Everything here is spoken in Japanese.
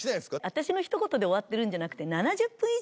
私のひと言で終わってるんじゃなくて。